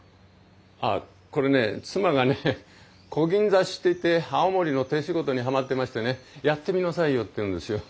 ああこれね妻がね「こぎん刺し」って言って青森の手仕事にはまってましてね「やってみなさいよ」って言うんですよ。